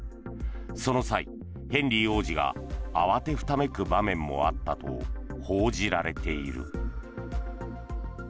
その際、ヘンリー王子が慌てふためく場面もあったと報じられている。